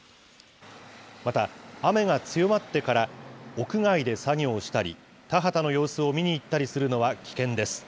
また雨が強まってから屋外で作業したり、田畑の様子を見に行ったりするのは危険です。